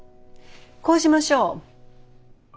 こうしましょう。